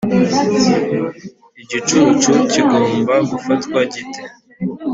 Igicucu kigomba gufatwa gite?